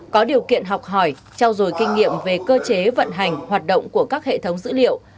có điều kiện học hỏi trao dồi kinh nghiệm về cơ chế vận hành hoạt động của các hệ thống dữ liệu